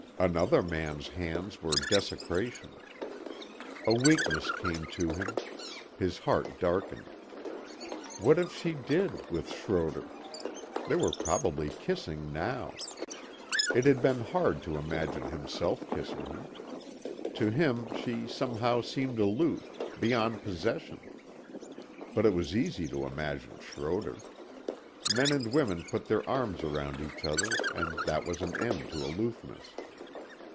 Another man's hands were desecration. A weakness came to him. His heart darkened. What if she did, with Schroder? They were probably kissing now. It had been hard to imagine himself kissing her. To him she somehow seemed aloof, beyond possession. But it was easy to imagine Schroder. Men and women put their arms around each other and that was an end to aloofness.